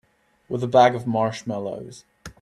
With a bag of marshmallows.